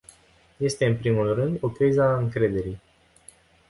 Este, în primul rând, o criză a încrederii.